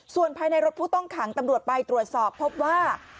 ส่วนภายในรถผู้ต้องขังตำรวจไปตรวจสอบพบว่า